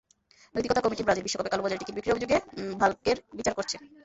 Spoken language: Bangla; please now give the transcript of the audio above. নৈতিকতা কমিটি ব্রাজিল বিশ্বকাপে কালোবাজারে টিকিট বিক্রির অভিযোগে ভালকের বিচার করছে।